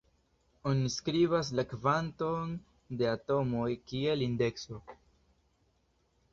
Oni skribas la kvanton de atomoj kiel indekso.